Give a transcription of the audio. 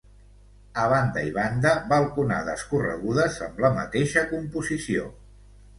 A banda i banda balconades corregudes amb la mateixa composició.